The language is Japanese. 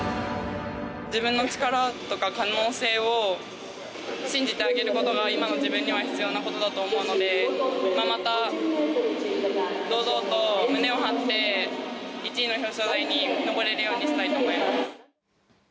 自分の力とか可能性を信じてあげることが今の自分には必要なことだと思うのでまた堂々と胸を張って１位の表彰台に上れるようにしたいと思います。